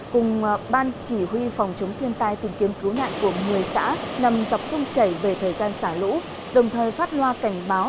cùng ban chỉ huy phòng chống thiên tai tìm kiếm cứu nạn của một mươi xã nằm dọc sông chảy về thời gian xả lũ đồng thời phát loa cảnh báo